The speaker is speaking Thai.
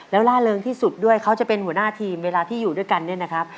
แล้วล่าเริงที่สุดด้วยเขาจะเป็นหัวหน้าทีมเวลาที่อยู่ด้วยกันเนี่ยนะครับ